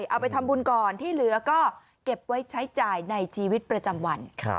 เอาไปทำบุญก่อนที่เหลือก็เก็บไว้ใช้จ่ายในชีวิตประจำวัน